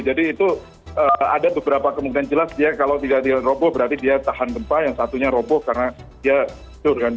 jadi itu ada beberapa kemungkinan jelas dia kalau tidak di robo berarti dia tahan gempa yang satunya robo karena dia turkan